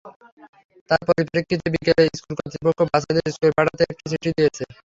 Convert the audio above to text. তার পরিপ্রেক্ষিতেই বিকেলে স্কুল কর্তৃপক্ষ বাচ্চাদের স্কুলে পাঠাতে একটি চিঠি দিয়েছে।